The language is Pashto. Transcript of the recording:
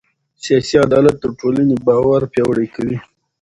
سیاسي عدالت د ټولنې باور پیاوړی کوي